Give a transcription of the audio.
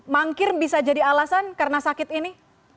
mangkir bisa jadi alasan karena sakit ini